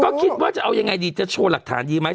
ก็คิดว่าจะเอายังไงดีจะโชว์หลักฐานดีไหม